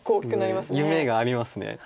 夢があります。